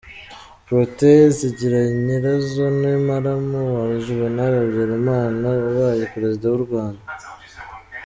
Protais Zigiranyirazo ni muramu wa Juvenal Habyarima wabaye Perezida w’u Rwanda.